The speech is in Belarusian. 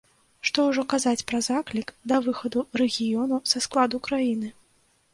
Што ўжо казаць пра заклік да выхаду рэгіёну са складу краіны.